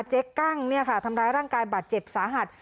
เจ๊กั้งเนี่ยค่ะทำร้ายร่างกายบาดเจ็บสาหัส